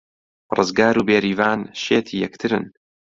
ڕزگار و بێریڤان شێتی یەکترن.